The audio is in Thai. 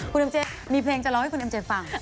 คุณเอ็มเจมีเพลงจะร้องให้คุณเอ็มเจฟัง